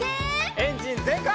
エンジンぜんかい！